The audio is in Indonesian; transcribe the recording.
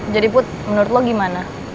jadi put menurut lo gimana